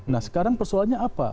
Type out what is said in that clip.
nah sekarang persoalannya apa